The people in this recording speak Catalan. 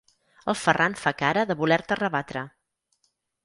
El Ferran fa cara de voler-te rebatre.